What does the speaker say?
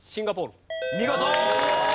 見事！